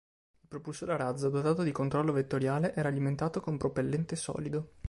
Il propulsore a razzo, dotato di controllo vettoriale, era alimentato con propellente solido.